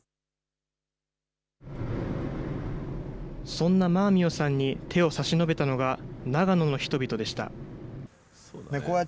そんなマーミヨさんに手を差し伸べたのが、長野の人々でした。